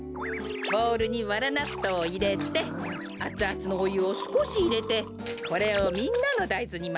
ボウルにわらなっとうをいれてあつあつのおゆをすこしいれてこれをみんなのだいずにまぜますよ。